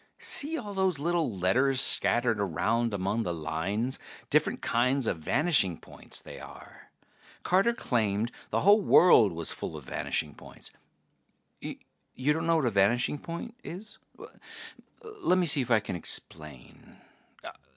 See all those little letters scattered around among the lines? Different kinds of vanishing points, they are. Carter claimed the whole world was full of vanishing points. You don't know what a vanishing point is? Lemme see if I can explain.